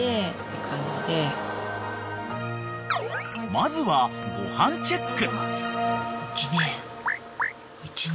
［まずはごはんチェック］